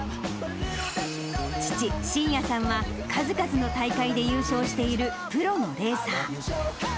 父、しんやさんは、数々の大会で優勝しているプロのレーサー。